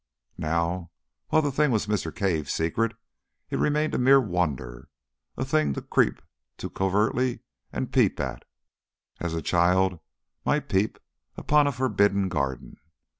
Now, while the thing was Mr. Cave's secret, it remained a mere wonder, a thing to creep to covertly and peep at, as a child might peep upon a forbidden garden.